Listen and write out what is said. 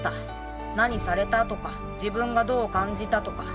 何されたとか自分がどう感じたとか。